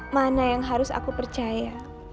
mana yang harus aku percaya